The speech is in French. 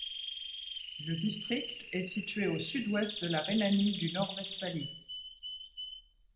Le district est situé au sud-ouest de la Rhénanie-du-Nord-Westphalie.